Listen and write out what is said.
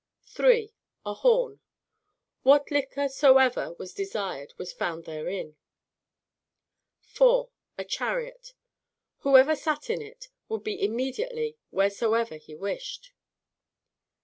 3. A horn; what liquor soever was desired was found therein. 4. A chariot; whoever sat in it would be immediately wheresoever he wished.